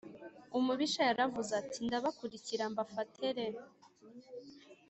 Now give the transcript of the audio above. umubisha yaravuze ati ndabakurikira mbafate re